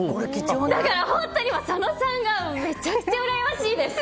だから本当に佐野さんがめちゃくちゃ羨ましいです！